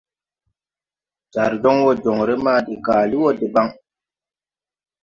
Jar jɔŋ wɔ jɔŋre maa de gaali wɔ deɓaŋ.